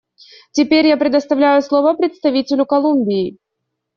Теперь я предоставляю слово представителю Колумбии.